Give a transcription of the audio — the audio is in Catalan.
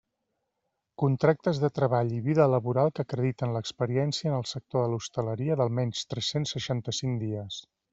Contractes de treball i vida laboral que acrediten l'experiència en el sector de l'hostaleria d'almenys tres-cents seixanta-cinc dies.